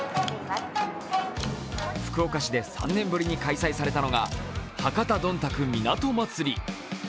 福岡市で３年ぶりに開催されたのが博多どんたく港まつり。